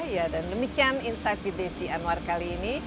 ya dan demikian insight with desi anwar kali ini